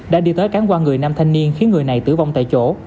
đã đi tới cán qua người nam thanh niên khiến người này tử vong tại chỗ